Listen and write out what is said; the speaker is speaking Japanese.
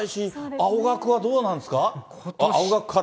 青学はどうなんですか？